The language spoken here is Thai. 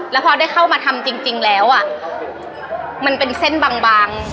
แล้วพอได้เข้ามาทำจริงแล้วมันเป็นเส้นบาง